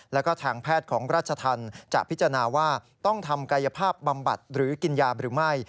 แล้วก็ทางแพทย์ของราชธรรมจะพิจารณาว่าต้องทำกายภาพบำบัดหรือกินยาหรือไม่